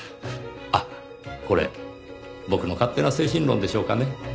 あっこれ僕の勝手な精神論でしょうかね？